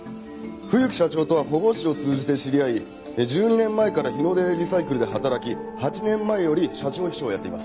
冬木社長とは保護司を通じて知り合い１２年前から日の出リサイクルで働き８年前より社長秘書をやっています。